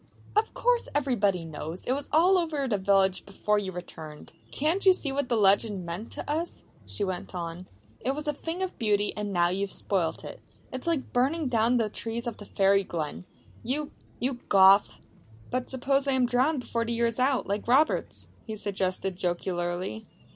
"Of course everybody knows! It was all over the village before you returned. "Can't you see what that legend meant to us?" she went on. "It was a thing of beauty. And now you have spoilt it. It's like burning down the trees of the Fairy Glen. You you Goth!" "But suppose I am drowned before the year is out like Roberts?" he suggested jocularly.